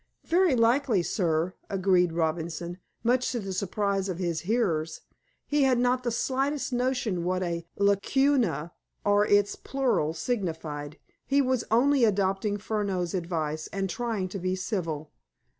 "Very likely, sir," agreed Robinson, much to the surprise of his hearers. He had not the slightest notion what a lacuna, or its plural, signified. He was only adopting Furneaux's advice, and trying to be civil.